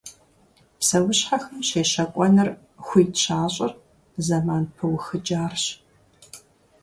Псэущхьэхэм щещэкӀуэныр хуит щащӀыр зэман пыухыкӀарщ.